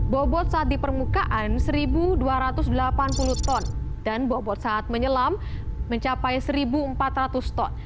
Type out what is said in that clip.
bobot saat di permukaan satu dua ratus delapan puluh ton dan bobot saat menyelam mencapai satu empat ratus ton